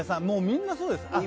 もうみんなそうです。